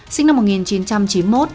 sinh năm một nghìn chín trăm chín mươi một